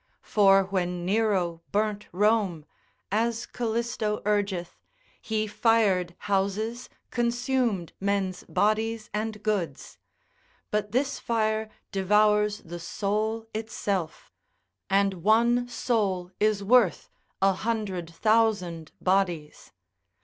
For when Nero burnt Rome, as Calisto urgeth, he fired houses, consumed men's bodies and goods; but this fire devours the soul itself, and one soul is worth a hundred thousand bodies.